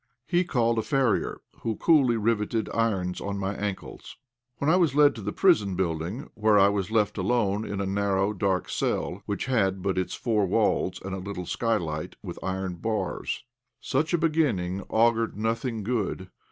He called a farrier, who coolly rivetted irons on my ankles. Then I was led to the prison building, where I was left alone in a narrow, dark cell, which had but its four walls and a little skylight, with iron bars. Such a beginning augured nothing good.